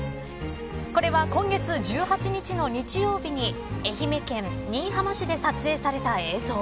これは、今月１８日の日曜日に愛媛県新居浜市で撮影された映像。